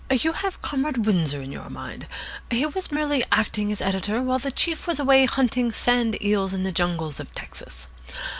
You have Comrade Windsor in your mind. He was merely acting as editor while the chief was away hunting sand eels in the jungles of Texas.